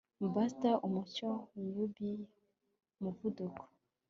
Buster Umucyo Newbie Umuvuduko